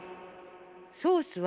ソースは。